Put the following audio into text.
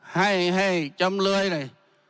ให้ให้จำเลยเลย